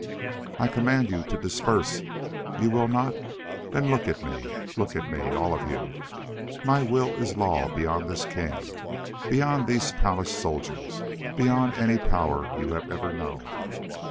"I command you to disperse. You will not? Then look at me! Look at me, all of you. My will is law beyond this king beyond these palace soldiers beyond any power you have ever known."